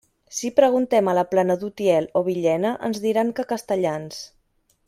Si preguntem a la Plana d'Utiel o Villena, ens diran que castellans.